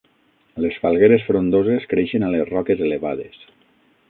Les falgueres frondoses creixen a les roques elevades.